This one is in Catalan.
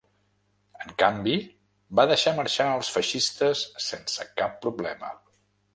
En canvi, va deixar marxar els feixistes sense cap problema.